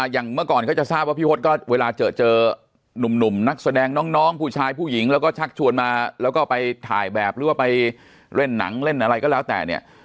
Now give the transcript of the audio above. อย่างเมื่อก่อนก็จะทราบว่าพี่พศก็เวลาเจอหนุ่มนักแสดงน้องผู้ชายผู้หญิงแล้วก็ชักชวนมาแล้วก็ไปถ่ายแบบหรือว่าไปเล่นหนังเล่นอะไรก็แล้วแต่เนี่ย